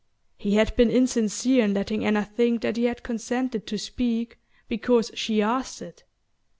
He had been insincere in letting Anna think that he had consented to speak because she asked it.